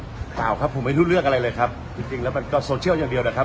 เปล่าครับผมไม่รู้เรื่องอะไรเลยครับจริงจริงแล้วมันก็โซเชียลอย่างเดียวแหละครับ